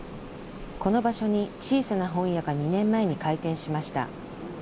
この場所に小さな本屋が２年前に開店しました。